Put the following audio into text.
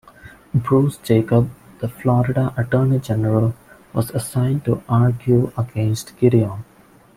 Bruce Jacob, the Florida Attorney General, was assigned to argue against Gideon.